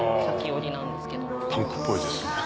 パンクっぽいですね。